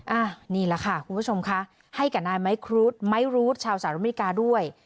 อ่านี่แหละค่ะคุณผู้ชมค่ะให้กับนายชาวสหรัฐอเมริกาด้วย